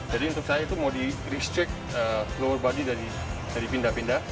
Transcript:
jadi untuk saya itu mau di restrict lower body dari pindah pindah